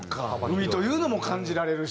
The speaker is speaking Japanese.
海というのも感じられるし。